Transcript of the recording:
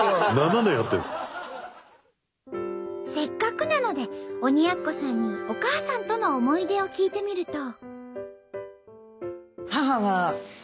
せっかくなので鬼奴さんにお母さんとの思い出を聞いてみると。